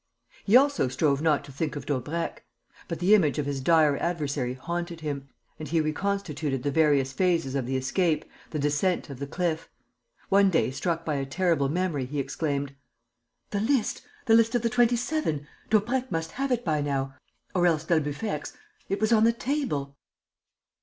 He also strove not to think of Daubrecq. But the image of his dire adversary haunted him; and he reconstituted the various phases of the escape, the descent of the cliff.... One day, struck by a terrible memory, he exclaimed: "The list! The list of the Twenty seven! Daubrecq must have it by now ... or else d'Albufex. It was on the table!"